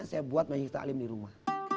saya buat majik ta'lim di rumah